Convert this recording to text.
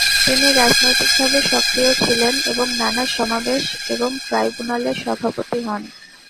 তিনি রাজনৈতিকভাবে সক্রিয় ছিলেন এবং নানা সমাবেশ এবং ট্রাইব্যুনালের সভাপতি হন।